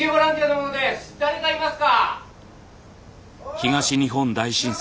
東日本大震災。